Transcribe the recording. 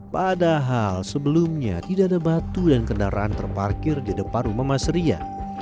padahal sebelumnya tidak ada batu dan kendaraan terparkir di depan rumah mas ria